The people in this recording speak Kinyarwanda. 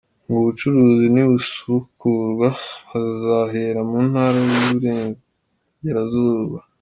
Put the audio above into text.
Ngo ubucuruzi nibusubukurwa bazahera mu ntara y’Iburengerazura.